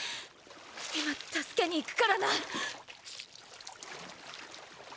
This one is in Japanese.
今助けに行くからな！